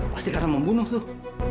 pasti karena membunuh tuh